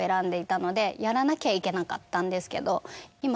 のでやらなきゃいけなかったんですけど。